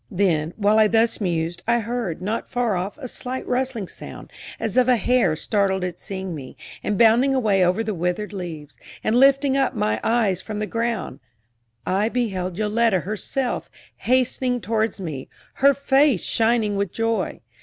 Then, while I thus mused, I heard, not far off, a slight rustling sound, as of a hare startled at seeing me, and bounding away over the withered leaves; and lifting up my eyes from the ground, I beheld Yoletta herself hastening towards me, her face shining with joy.